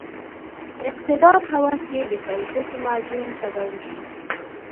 اقتدار هوس یې د پیسو په معجون تداوي شي.